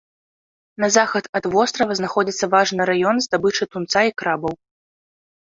На захад ад вострава знаходзіцца важны раён здабычы тунца і крабаў.